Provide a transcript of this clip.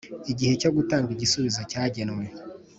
igihe cyo gutanga igisubizo cyagenwe